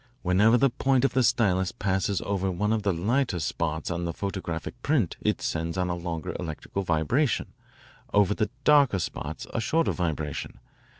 Whenever the point of the stylus passes over one of the lighter spots on the photographic print it sends on a longer electrical vibration, over the darker spots a shorter vibration.